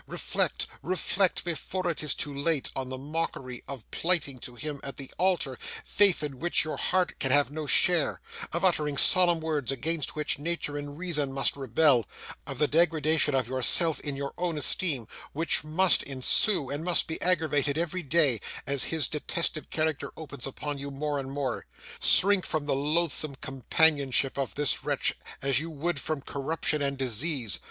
Reflect, reflect, before it is too late, on the mockery of plighting to him at the altar, faith in which your heart can have no share of uttering solemn words, against which nature and reason must rebel of the degradation of yourself in your own esteem, which must ensue, and must be aggravated every day, as his detested character opens upon you more and more. Shrink from the loathsome companionship of this wretch as you would from corruption and disease.